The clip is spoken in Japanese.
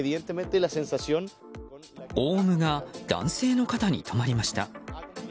オウムが男性の肩に止まりました。